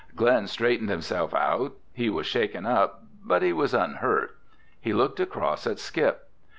Glen straightened himself out. He was shaken up but he was unhurt. He looked across at Skip.